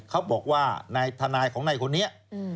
เขาบอกว่าทนายของในคนนี้